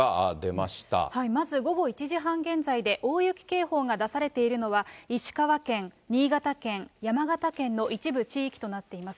まず午後１時半現在で、大雪警報が出されているのは、石川県、新潟県、山形県の一部地域となっています。